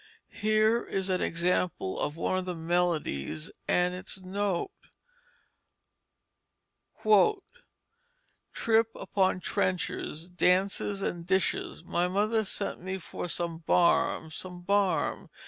Here is an example of one of the melodies and its note: "Trip upon Trenchers Dance upon Dishes My mother sent me for some Barm, some Barm.